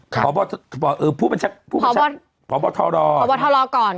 ค่ะผู้บัญชาผู้บัวทะลอก่อน